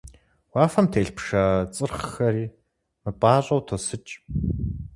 Уафэм телъ пшэ цӀырхъхэри мыпӀащӀэу тосыкӀ.